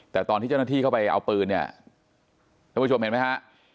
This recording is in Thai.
แต่ตอนที่เจ้าหน้าที่เข้าไปเอาปืนเนี่ยท่านผู้ชมเห็นไหมฮะ